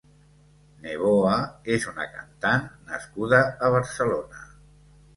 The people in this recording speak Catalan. Névoa és una cantant nascuda a Barcelona.